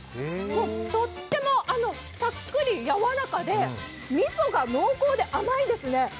とってもさっくりやわらかでみそが濃厚で甘いですね。